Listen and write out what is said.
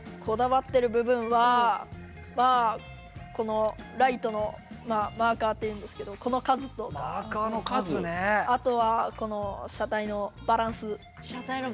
こだわってる部分はライトのマーカーって言うんですけどこの数とあとはこの車体のバランス。